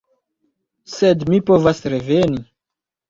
Sed mi povas reveni.